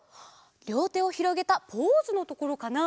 りょうてをひろげたポーズのところかな？